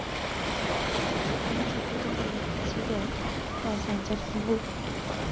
龙门石窟中各个时期的窟龛造像交错分布。